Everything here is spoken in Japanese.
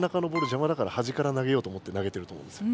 じゃまだからはじから投げようと思って投げてると思うんですよ。